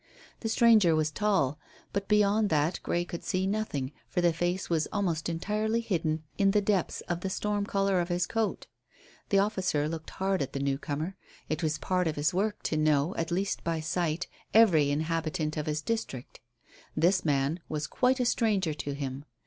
The stranger was tall, but beyond that Grey could see nothing, for the face was almost entirely hidden in the depths of the storm collar of his coat. The officer looked hard at the new comer. It was part of his work to know, at least by sight, every inhabitant of his district. This man was quite a stranger to him.